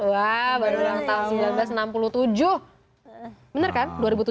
wah baru ulang tahun seribu sembilan ratus enam puluh tujuh